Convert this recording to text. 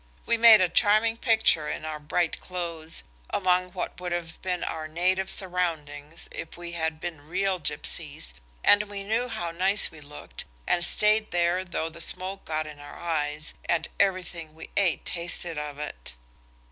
We made a charming picture in our bright clothes, among what would have been our native surroundings if we had been real gipsies, and we knew how nice we looked, and stayed there though the smoke got in our eyes, and everything we ate tasted of it.